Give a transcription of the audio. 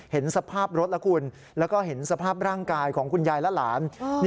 เห็นสภาพรถแล้วคุณแล้วก็เห็นสภาพร่างกายของคุณยายและหลาน